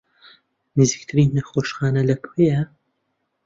نزیکترین نەخۆشخانە لەکوێیە؟